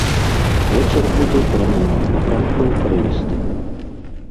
Вецер будзе пераменных напрамкаў, парывісты.